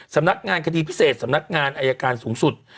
สำนักงานคดีพิเศษสำนักงานอายการสูงสุด